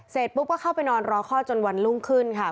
เสร็จปุ๊บก็เข้าไปนอนรอคลอดจนวันรุ่งขึ้นค่ะ